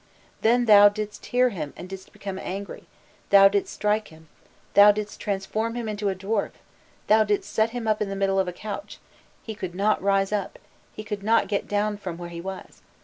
Then thou didst hear him and didst become angry, thou didst strike him, thou didst transform him into a dwarf, thou didst set him up on the middle of a couch; he could not rise up, he could not get down from where he was.